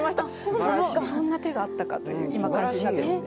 そんな手があったかという今感じになってる。